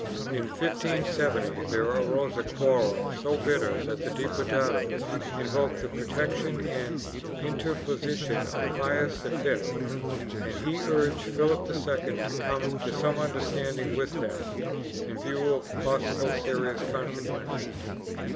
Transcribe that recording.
In 1570, there arose a quarrel so bitter that the Diputados invoked the protection and interposition of Pius V, and he urged Philip II to come to some understanding with them, in view of possible serious consequences.